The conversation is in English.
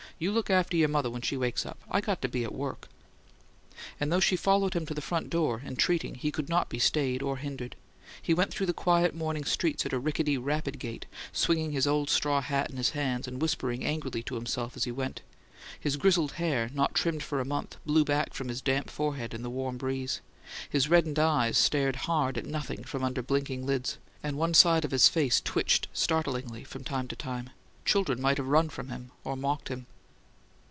You look after your mother when she wakes up. I got to be at WORK!" And though she followed him to the front door, entreating, he could not be stayed or hindered. He went through the quiet morning streets at a rickety, rapid gait, swinging his old straw hat in his hands, and whispering angrily to himself as he went. His grizzled hair, not trimmed for a month, blew back from his damp forehead in the warm breeze; his reddened eyes stared hard at nothing from under blinking lids; and one side of his face twitched startlingly from time to time; children might have run from him, or mocked him.